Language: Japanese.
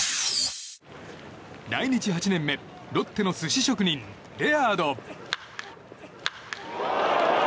来日８年目、ロッテの寿司職人レアード。